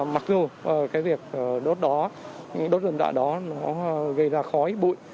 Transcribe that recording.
mặc dù việc đốt đốt dâm dạ đó gây ra khói bụi